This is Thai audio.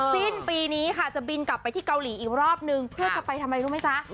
สิ้นปีนี้ค่ะจะบินกลับไปที่เกาหลีอีกรอบนึงเพื่อจะไปทำอะไรรู้ไหมจ๊ะ